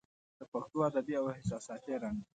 د پښتو ادبي او احساساتي رنګ